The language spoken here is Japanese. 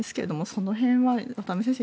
その辺は渡邊先生